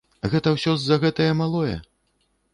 Гэта ўсё з-за гэтае малое?